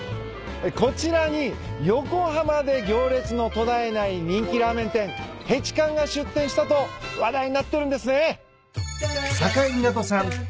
こちらに横浜で行列の途絶えない人気ラーメン店丿貫が出店したと話題になっとるんですね。